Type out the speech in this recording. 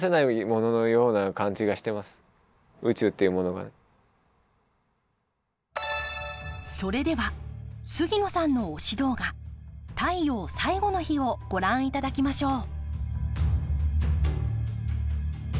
やっぱり何かそれでは杉野さんの推し動画「太陽最後の日」をご覧いただきましょう。